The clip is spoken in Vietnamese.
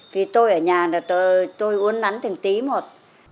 vì tôi ở nhà là tôi uốn nắn từng tí một